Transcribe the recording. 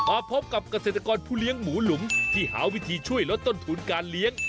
มาพบกับเกษตรกรผู้เลี้ยงหมูหลุมที่หาวิธีช่วยลดต้นทุนการเลี้ยง